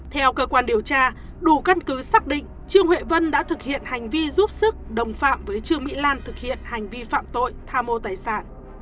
theo cơ quan điều tra đủ căn cứ xác định trương huệ vân đã thực hiện hành vi giúp sức đồng phạm với trương mỹ lan thực hiện hành vi phạm tội tham mô tài sản